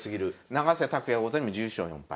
永瀬拓矢王座にも１１勝４敗。